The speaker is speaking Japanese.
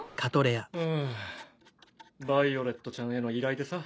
・うんヴァイオレットちゃんへの依頼でさ。